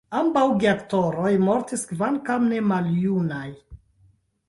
Ambaŭ geaktoroj mortis kvankam ne maljunaj.